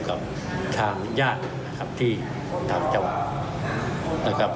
กับทางยาต์นะครับที่ทางว่านะครับ